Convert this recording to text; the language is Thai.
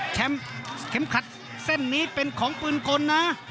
แชมป์แชมป์ขัดเส้นนี้เป็นของปืนกลนะ